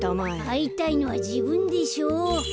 あいたいのはじぶんでしょう。